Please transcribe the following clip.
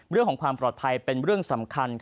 เรื่องของความปลอดภัยเป็นเรื่องสำคัญ